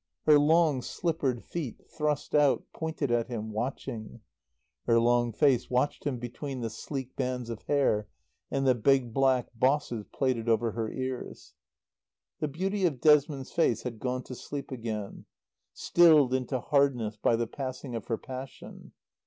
Her long, slippered feet, thrust out, pointed at him, watching. Her long face watched him between the sleek bands of hair and the big black bosses plaited over her ears. The beauty of Desmond's face had gone to sleep again, stilled into hardness by the passing of her passion.